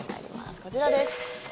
こちらです。